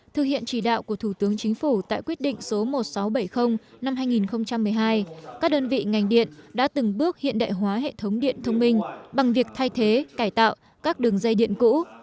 thực hiện chỉ đạo của thủ tướng chính phủ tại quyết định số một nghìn sáu trăm bảy mươi năm hai nghìn một mươi hai các đơn vị ngành điện đã từng bước hiện đại hóa hệ thống điện thông minh bằng việc thay thế cải tạo các đường dây điện cũ